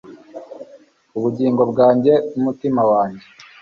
ubugingo bwanjye n'umutima wanjye